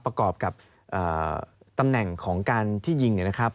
ประกอบกับตำแหน่งของการที่ยิงเนี่ยนะครับ